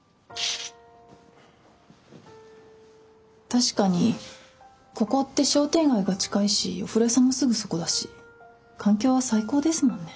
確かにここって商店街が近いしお風呂屋さんもすぐそこだし環境は最高ですもんね。